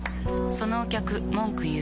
そのお客文句言う。